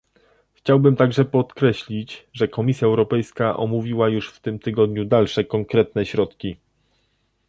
Chciałbym także podkreślić, że Komisja Europejska omówiła już w tym tygodniu dalsze konkretne środki